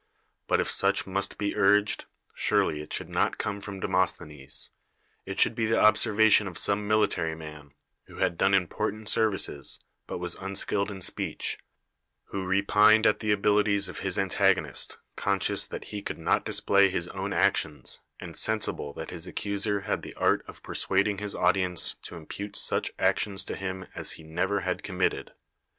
But if such must be urged, surely it should not come from Demosthenes; it should be the observation nf some military man, who had done important services, but was unskilled in speech; who re pined at the abilities of his antagonist, conscious that he could not display his own actions, and sensible that his accuser had the art of per suading his audience to impute such actions to him as he never had committed.